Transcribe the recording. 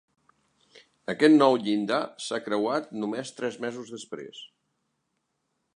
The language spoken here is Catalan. Aquest nou llindar s’ha creuat només tres mesos després.